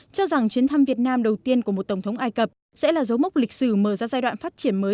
cho rằng chuyến thăm việt nam đầu tiên của một tổng thống ai cập sẽ là dấu mốc lịch sử mở ra giai đoạn phát triển mới